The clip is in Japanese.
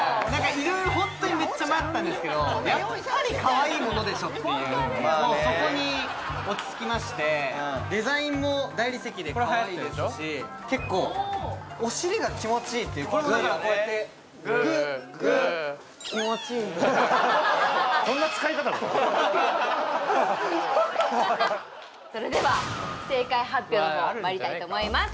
いろいろホントにめっちゃ迷ったんですけどやっぱりかわいいものでしょっていうそこに落ち着きましてデザインも大理石でかわいいですしこれもだからこうやってそれでは正解発表のほうまいりたいと思います